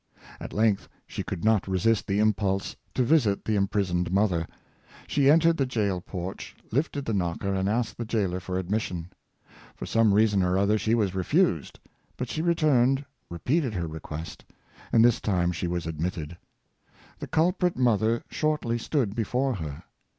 Story of Sarah Martin. 469 At length she could not resist the impulse to visit the imprisoned mother. She entered the jail porch, lifted the knocker, and asked the jailer for admission. For some reason or other she was refused, but she returned, repeated her request, and this time she was admitted. The culprit mother shortly stood before her.